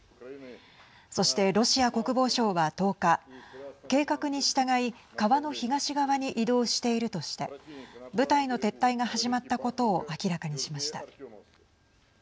そして、ロシア国防相は１０日計画に従い川の東側に移動しているとして部隊の撤退が始まったことを明らかにしました。